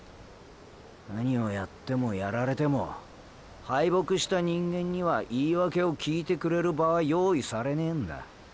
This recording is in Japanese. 何をやってもやられても敗北した人間には言い訳を聞いてくれる場は用意されねェんだ。